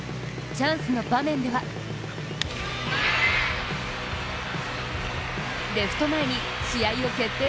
チャンスの場面ではレフト前に試合を決定